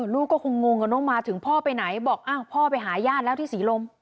ลูกก็คงงงกันมาถึงพ่อไปไหนบอกพ่อไปหายาดแล้วที่ศรีลม